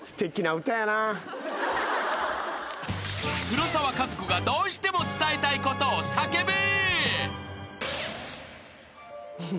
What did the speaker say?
［黒沢かずこがどうしても伝えたいことを叫ぶ］